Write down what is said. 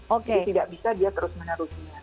jadi tidak bisa dia terus menerus